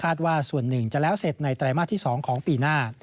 ว่าส่วนหนึ่งจะแล้วเสร็จในไตรมาสที่๒ของปีหน้า